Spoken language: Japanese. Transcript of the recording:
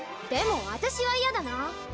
でも私はいやだな。